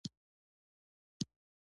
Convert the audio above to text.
د معدې خوله سمدستي بیرته تړل کېږي.